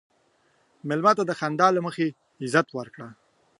مېلمه ته د خندا له مخې عزت ورکړه.